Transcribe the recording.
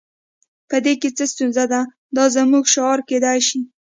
په دې کې څه ستونزه ده دا زموږ شعار کیدای شي